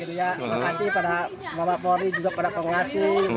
terima kasih pada mama flory juga pada pengasih